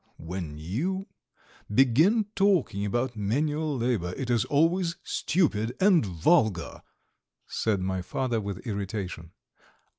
"When you begin talking about manual labour it is always stupid and vulgar!" said my father with irritation.